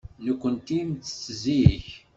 Nekkenti nettett zik.